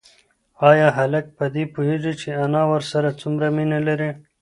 ایا هلک په دې پوهېږي چې انا ورسره څومره مینه لري؟